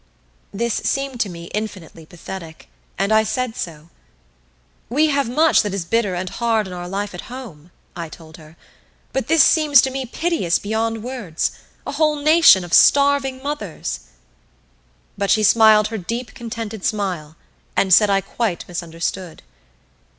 This seemed to me infinitely pathetic, and I said so. "We have much that is bitter and hard in our life at home," I told her, "but this seems to me piteous beyond words a whole nation of starving mothers!" But she smiled her deep contented smile, and said I quite misunderstood.